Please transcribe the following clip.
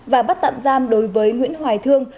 và bắt tạm giam đối với nguyễn hoài thương